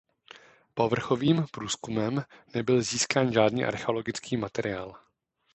Povrchovým průzkumem nebyl získán žádný archeologický materiál.